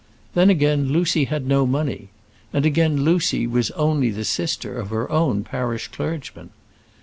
Then again Lucy had no money and, again, Lucy was only the sister of her own parish clergyman.